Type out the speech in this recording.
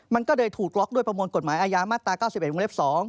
มันก็เลยถูกล็อกด้วยประมวลกฎหมายอาญามาตรา๙๑วงเล็บ๒